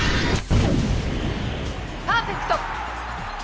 「」「パーフェクト」